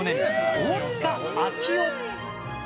大塚明夫。